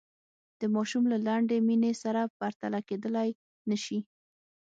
د ماشوم له لنډې مینې سره پرتله کېدلای نه شي.